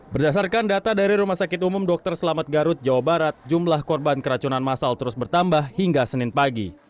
berdasarkan data dari rumah sakit umum dr selamat garut jawa barat jumlah korban keracunan masal terus bertambah hingga senin pagi